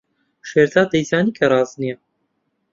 شێرزاد دەیزانی کە ڕاست نییە.